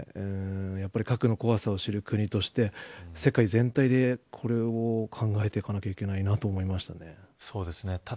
やっぱり核の怖さを知る国として世界全体でこれを考えていかなければいけないなと思いました。